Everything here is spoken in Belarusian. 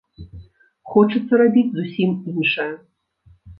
Хочацца рабіць зусім іншае.